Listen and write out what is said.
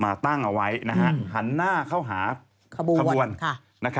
ตั้งเอาไว้หันหน้าเข้าหาขบวน